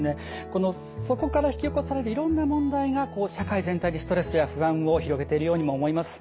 このそこから引き起こされるいろんな問題が社会全体にストレスや不安を広げているようにも思います。